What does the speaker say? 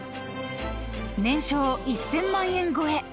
［年商１，０００万円超え］